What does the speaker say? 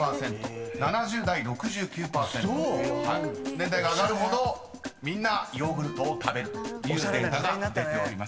［年代が上がるほどみんなヨーグルトを食べるというデータが出ております。